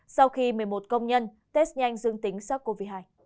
sau khi một mươi một công nhân test nhanh dương tính sars cov hai